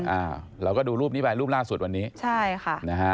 อ่าเราก็ดูรูปนี้ไปรูปล่าสุดวันนี้ใช่ค่ะนะฮะ